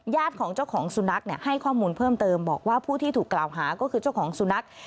ของเจ้าของสุนัขให้ข้อมูลเพิ่มเติมบอกว่าผู้ที่ถูกกล่าวหาก็คือเจ้าของสุนัข